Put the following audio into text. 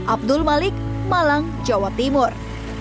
abdul malik malang jawa timur